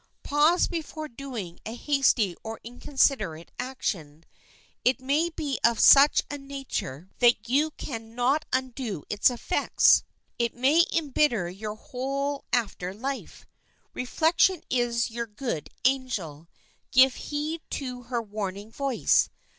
Pause before doing a hasty or inconsiderate action. It may be of such a nature that you can not undo its effects. It may embitter your whole after life. Reflection is your good angel; give heed to her warning voice.